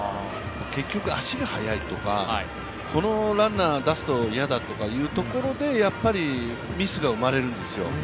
結局、足が速いとか、このランナー出すと嫌だとかいうところでやっぱりミスが生まれるんですよ。